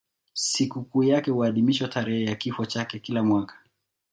Sikukuu yake huadhimishwa tarehe ya kifo chake kila mwaka.